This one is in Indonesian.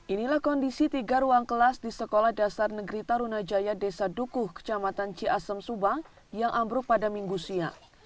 inilah kondisi tiga ruang kelas di sekolah dasar negeri tarunajaya desa dukuh kecamatan ciasem subang yang ambruk pada minggu siang